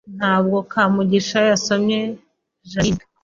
Ntabwo Kamugisha yasomye Jeaninne